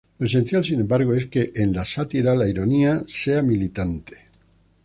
Lo esencial, sin embargo, es que "en la sátira la ironía sea militante".